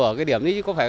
ở cái điểm